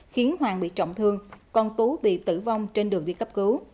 khiến hoàng bị trọng thương còn tú bị tử vong trên đường đi cấp cứu